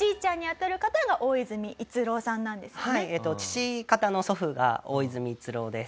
父方の祖父が大泉逸郎です。